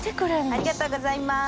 ありがとうございます！